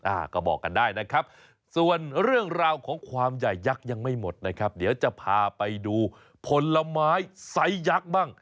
อ่าก็บอกกันได้นะครับส่วนเรื่องราวของความใหญ่ยักษ์ยังไม่หมดนะครับเดี๋ยวจะพาไปดูผลไม้ไซส์ยักษ์บ้าง